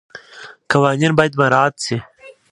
قوانین باید مراعات شي.